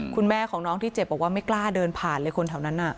คุณแม่ของน้องที่เจ็บบอกว่าไม่กล้าเดินผ่านเลยคนแถวนั้น